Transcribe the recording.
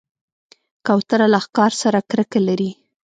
کوتره له ښکار سره کرکه لري.